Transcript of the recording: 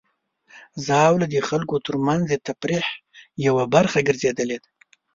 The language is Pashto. ژاوله د خلکو ترمنځ د تفریح یوه برخه ګرځېدلې ده.